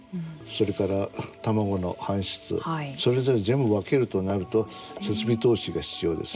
それから卵の搬出それぞれ全部分けるとなると設備投資が必要です。